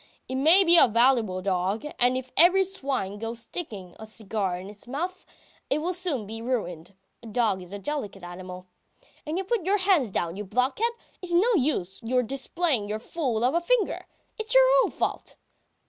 ... It may be a valuable dog, and if every swine goes sticking a cigar in its mouth, it will soon be ruined. A dog is a delicate animal. ... And you put your hand down, you blockhead. It's no use your displaying your fool of a finger. It's your own fault.